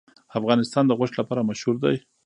افغانستان د غوښې لپاره مشهور دی.